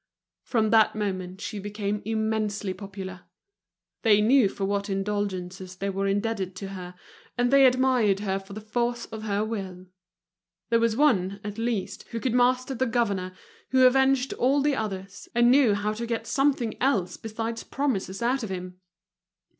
From that moment she became immensely popular. They knew for what indulgences they were indebted to her, and they admired her for the force of her will. There was one, at least, who could master the governor, who avenged all the others, and knew how to get something else besides promises out of him!